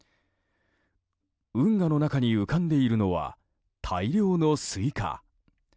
運河の中に浮かんでいるのは大量のスイカ。